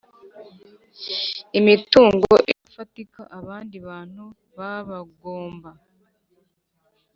Imitungo idafatika abandi bantu babagomba